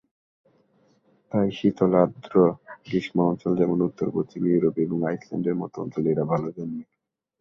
তাই শীতল, আর্দ্র-গ্রীষ্ম অঞ্চল যেমনঃ উত্তর-পশ্চিম ইউরোপ এবং আইসল্যান্ডের মত অঞ্চলে এরা ভালো জন্মে।